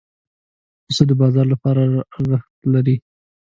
پسه د بازار لپاره ارزښت لري.